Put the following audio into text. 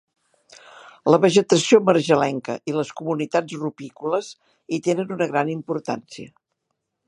La vegetació marjalenca i les comunitats rupícoles hi tenen una gran importància.